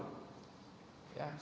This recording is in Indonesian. saya tidak pernah menuduh apapun